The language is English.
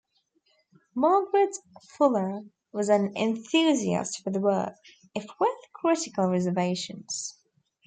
Margaret Fuller was an enthusiast for the work, if with critical reservations.